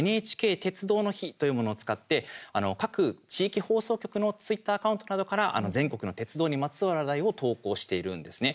ＮＨＫ鉄道の日」というものを使って、各地域放送局のツイッターアカウントなどから全国の鉄道にまつわる話題を投稿しているんですね。